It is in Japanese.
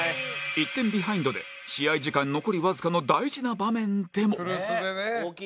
１点ビハインドで試合時間残りわずかの大事な場面でも